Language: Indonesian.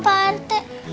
punya siapa pak rt